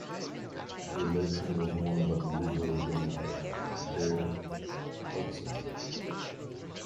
The election was won by the Liberal Democrat, Dave Hodgson.